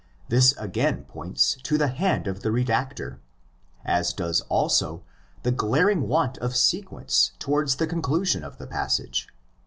This again points to the hand of the redactor, as does also the glaring want of sequence towards the conclusion of the passage.